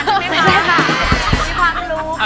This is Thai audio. มีความรู้ค่ะ